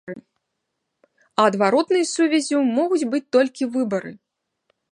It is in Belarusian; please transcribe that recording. А адваротнай сувяззю могуць быць толькі выбары!